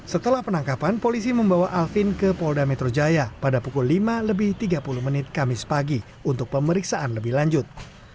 setelah penangkapan polisi membawa alvin ke polda metro jaya pada pukul lima lebih tiga puluh menit kamis pagi untuk pemeriksaan lebih lanjut